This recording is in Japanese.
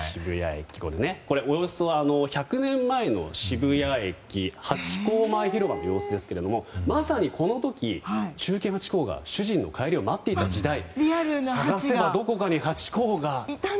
これ、およそ１００年前の渋谷駅ハチ公前広場の様子ですがまさにこの時、忠犬ハチ公が主人の帰りを待っていた時代探せばどこかにハチ公が。